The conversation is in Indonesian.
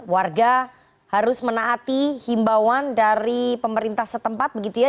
warga harus menaati himbauan dari pemerintah setempat begitu ya